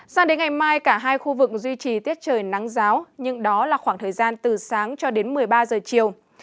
sang đến ngày mai cả hai khu vực duy trì tiết trời nắng giáo nhưng đó là khoảng thời gian từ sáng cho đến một mươi ba giờ chiều